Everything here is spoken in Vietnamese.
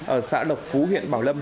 ở xã lộc phú huyện bảo lâm